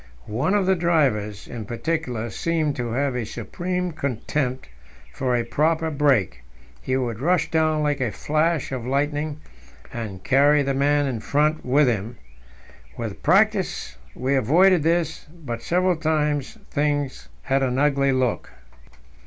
One of the drivers, in particular, seemed to have a supreme contempt for a proper brake; he would rush down like a flash of lightning, and carry the man in front with him. With practice we avoided this, but several times things had an ugly look.